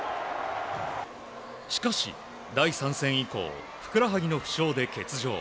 しかし、第３戦以降ふくらはぎの負傷で欠場。